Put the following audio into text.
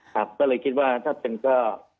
ก็เลยคิดว่าถ้าจนก็